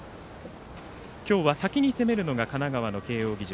今日は先に攻めるのが神奈川の慶応義塾。